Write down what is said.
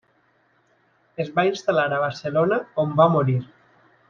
Es va instal·lar a Barcelona on va morir.